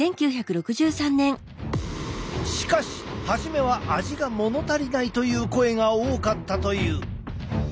しかし初めは味がものたりないという声が多かったという。